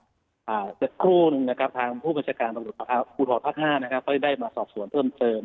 จะคู่นทางผู้บัญชการอุตรพ๕ได้สอบสวนเพิ่มเจิญ